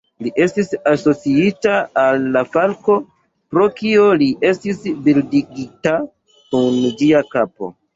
Li estis asociita al la falko, pro kio li estis bildigita kun ĝia kapo.